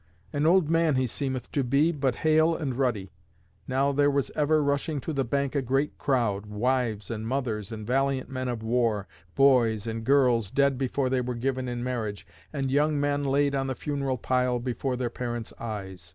An old man he seemeth to be, but hale and ruddy. Now there was ever rushing to the bank a great crowd, wives and mothers, and valiant men of war, boys, and girls dead before they were given in marriage, and young men laid on the funeral pile before their parents' eyes.